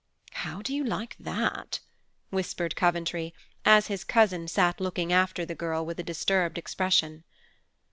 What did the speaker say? "How do you like that?" whispered Coventry, as his cousin sat looking after the girl, with a disturbed expression.